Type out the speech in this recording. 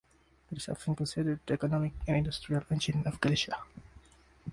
It is often considered the economic and industrial engine of Galicia.